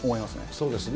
そうですね。